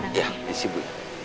ya yaudah siap bu